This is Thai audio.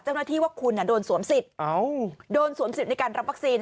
ว่าคุณโดนสวมสิทธิ์โดนสวมสิทธิ์ในการรับวัคซีน